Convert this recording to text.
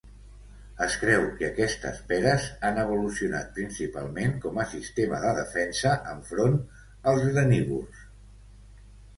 Es creu que aquestes "peres" han evolucionat principalment com a sistema de defensa enfront els granívors.